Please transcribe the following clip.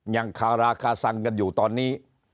ยังคาราคาซังกันอยู่ตอนนี้